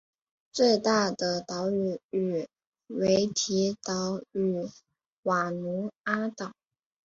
最大的岛屿为维提岛与瓦努阿岛。